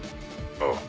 ああ。